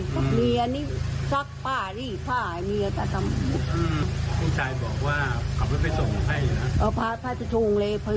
พอกลับรถพิษภาพเลย